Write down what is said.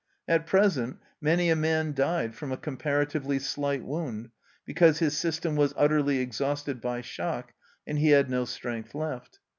At present, many a man died from a comparatively slight wound, because his system was utterly exhausted by shock and he had no strength left.